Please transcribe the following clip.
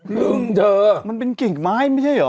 ึงเธอมันเป็นกิ่งไม้ไม่ใช่เหรอ